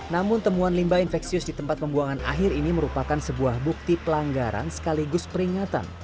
namun temuan limbah infeksius di tempat pembuangan akhir ini merupakan sebuah bukti pelanggaran sekaligus peringatan